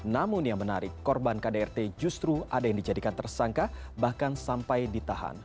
namun yang menarik korban kdrt justru ada yang dijadikan tersangka bahkan sampai ditahan